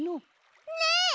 ねえ！